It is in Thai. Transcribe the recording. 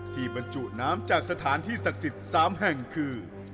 บรรจุน้ำจากสถานที่ศักดิ์สิทธิ์๓แห่งคือ